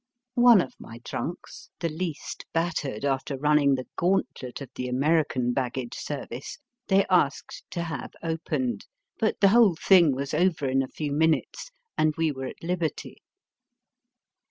One of my trunks, the least battered after running the gauntlet of the American baggage service, they asked to have opened. But the whole thing was over in a few minutes, and we were at hberty.